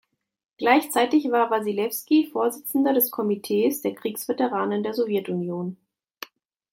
Gleichzeitig war Wassilewski Vorsitzender des Komitees der Kriegsveteranen der Sowjetunion.